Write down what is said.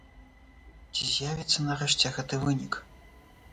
Ці з'явіцца нарэшце гэты вынік?